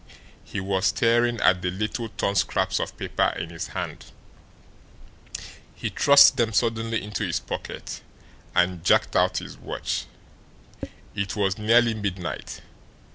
He was staring at the little torn scraps of paper in his hand. He thrust them suddenly into his pocket, and jerked out his watch. It was nearly midnight.